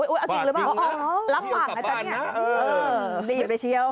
อุ๊ยอาเกียร์ลืมหรือเปล่ารับฝากไว้ตอนเนี่ยเออรีบเลยเชียว